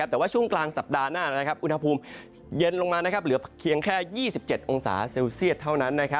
แต่ว่าช่วงกลางสัปดาห์หน้าอุณหภูมิเย็นลงมาเหลือเพียงแค่๒๗องศาเซลเซียตเท่านั้น